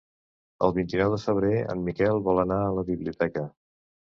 El vint-i-nou de febrer en Miquel vol anar a la biblioteca.